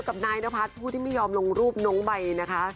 ต่อกันด้วยที่วาเลนไทยแรกนะคะ